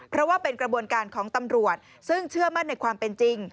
เพราะว่าเป็นกระบวนการของตำรวจซึ่งเชื่อมั่นในความเป็นจริง